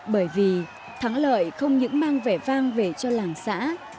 bởi vì thắng lợi không những mang vẻ vang về cho làng xã